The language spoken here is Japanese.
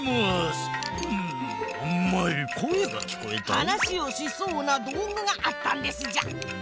はなしをしそうなどうぐがあったんですじゃ。